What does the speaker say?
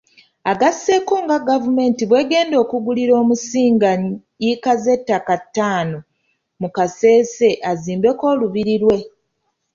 Agasseeko nga gavumenti bw'egenda okugulira Omusinga yiika z'ettaka ttaano mu Kasese azimbeko olubiri lwe.